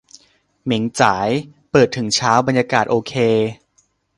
เหม่งจ๋าย เปิดถึงเช้า บรรยากาศโอเค